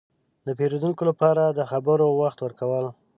– د پېرودونکو لپاره د خبرو وخت ورکول.